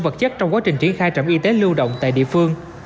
vật chất trong quá trình triển khai trạm y tế lưu động tại địa phương